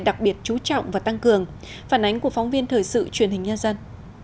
đặc biệt chú trọng và tăng cường phản ánh của phóng viên thời sự truyền hình nhân dân